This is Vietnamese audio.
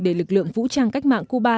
để lực lượng vũ trang cách mạng cuba